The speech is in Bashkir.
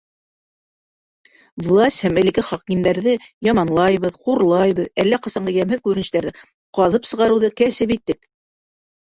Власть һәм элекке хакимдарҙы яманлайбыҙ, хурлайбыҙ, әллә ҡасанғы йәмһеҙ күренештәрҙе ҡаҙып сығарыуҙы кәсеп иттек.